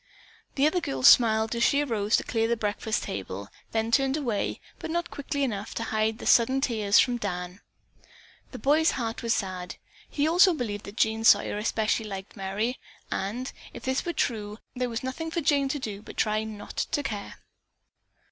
The other girl smiled as she arose to clear the breakfast table; then turned away, but not quickly enough to hide the sudden tears from Dan. The boy's heart was sad. He also believed that Jean Sawyer especially liked Merry, and, if this were true, there was nothing for Jane to do but to try not to care.